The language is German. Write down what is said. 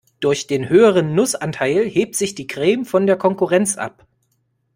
Durch den höheren Nussanteil hebt sich die Creme von der Konkurrenz ab.